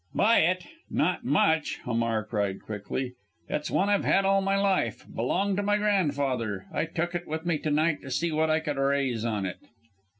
"Buy it! Not much!" Hamar cried quickly. "It's one I've had all my life. Belonged to my grandfather. I took it with me to night to see what I could raise on it."